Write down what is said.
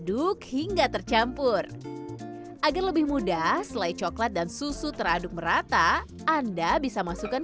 aduk hingga tercampur agar lebih mudah selai coklat dan susu teraduk merata anda bisa masukkan